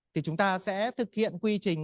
thì chúng ta sẽ thực hiện quy trình